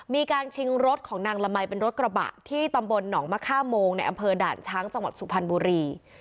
มีการชิงรถของนางละมัยเป็นรถกระบะที่ตำบลหนองมะค่าโมงในอำเภอด่านช้างจังหวัดสุพรรณบุรี